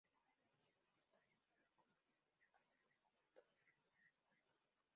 Según la leyenda, Victoria estaba comprometida a casarse con un noble romano, Eugenio.